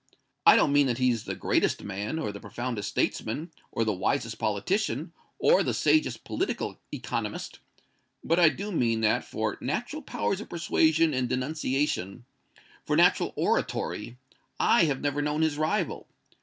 I don't mean that he's the greatest man, or the profoundest statesman, or the wisest politician, or the sagest political economist; but I do mean that, for natural powers of persuasion and denunciation for natural oratory I have never known his rival.